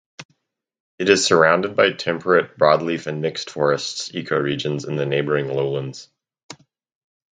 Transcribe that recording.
It is surrounded by temperate broadleaf and mixed forests ecoregions in the neighboring lowlands.